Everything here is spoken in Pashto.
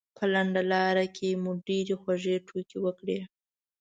په لنډه لاره کې مو ډېرې خوږې ټوکې وکړې.